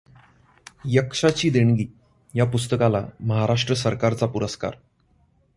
यक्षाची देणगी या पुस्तकाला महाराष्ट्र सरकारचा पुरस्कार